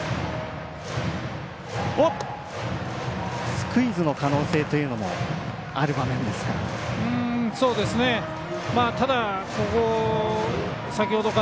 スクイズの可能性というのもある場面ですか。